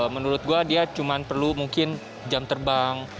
menurut gue dia cuma perlu mungkin jam terbang